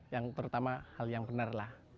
yang pertama hal yang benar lah